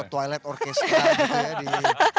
atau twilight orkestra gitu ya